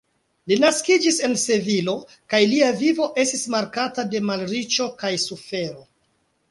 Li naskiĝis en Sevilo kaj lia vivo estis markata de malriĉo kaj sufero.